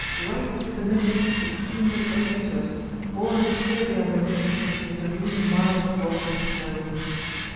Right to the minute the steam whistle came to us, borne clearly on the wind across the intervening miles of rock and snow.